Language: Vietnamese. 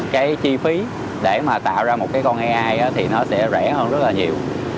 cái chi phí để mà tạo ra một cái con ai thì nó sẽ rẻ hơn rất là nhiều